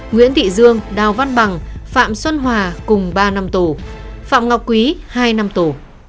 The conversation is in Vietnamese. nguyễn thị dương đào văn bằng phạm xuân hòa cùng ba năm tù phạm ngọc quý hai năm tù